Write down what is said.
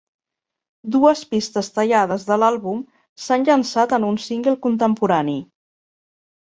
Dues pistes tallades de l'àlbum s'han llançat en un single contemporani.